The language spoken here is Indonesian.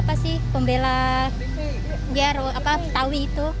apa sih pembela tawi itu